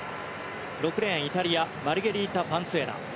６レーン、イタリアマルゲリータ・パンツィエラ。